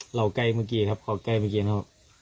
เหล่าไกลเมื่อกี้นะ